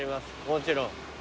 もちろん。